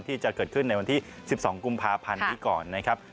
ที่จะเกิดขึ้นในวันที่๑๒กุมภาพันธ์นี้ก่อนนะครับ